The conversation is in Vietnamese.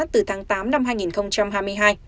từ tháng tám năm hai nghìn hai mươi hai